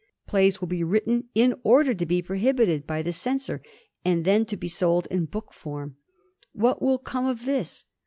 Plays will be written in order to be prohibited by the censor and then to be sold in book form. What will come of this?